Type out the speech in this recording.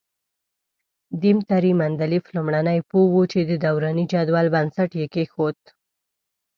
دیمتري مندلیف لومړنی پوه وو چې د دوراني جدول بنسټ یې کېښود.